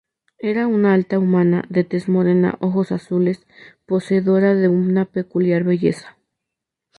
Era una alta humana, de tez morena, ojos azules; poseedora de una peculiar belleza.